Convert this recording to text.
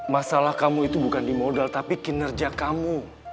masalah kamu itu bukan di modal tapi kinerja kamu